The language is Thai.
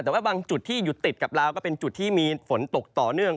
แต่ว่าบางจุดที่อยู่ติดกับลาวก็เป็นจุดที่มีฝนตกต่อเนื่อง